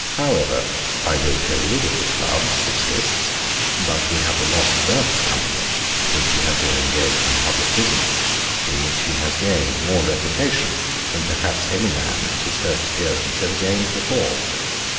However, I will tell you that THE CLUB subsists; but we have the loss of Burke's company since he has been engaged in publick business, in which he has gained more reputation than perhaps any man at his [first] appearance ever gained before.